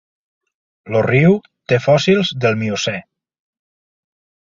El riu té fòssils del miocè.